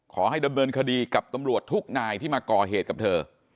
ขอให้ดำเนินคดีกับตำรวจทุกนายที่มาก่อเหตุกับเธอ